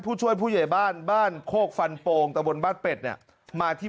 ผู้ช่วยผู้ใหญ่บ้านบ้านโคกฟันโปงตะบนบ้านเป็ดเนี่ยมาที่